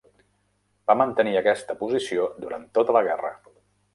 Va mantenir aquesta posició durant tota la guerra.